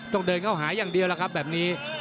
ต้องเดินเข้าหาอย่างเดียวล่ะครับแบบนี้